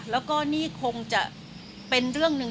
แล้วก็นี่คงจะเป็นเรื่องหนึ่ง